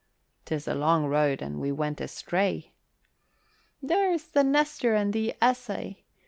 "'Tis a long road and we went astray." "There's the Nestor and the Essay.